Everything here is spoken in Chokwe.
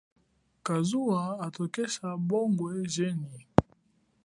Kazuwa hatokesa bongo jenyi.